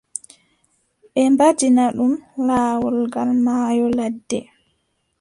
Ɓe mbaɗina ɗum, laawol gal maayo ladde.